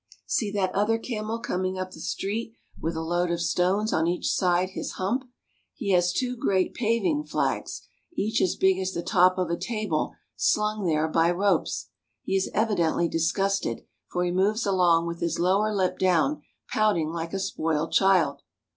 See that other camel coming up the street with a load of stones on each side his hump. He has two great pav ing flags, each as big as the top of a table, slung there by ropes. He is evidently disgusted ; for he moves along with his lower lip down, pouting like a spoiled child.